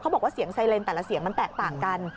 บอกว่าเสียงไซเรนแต่ละเสียงมันแตกต่างกัน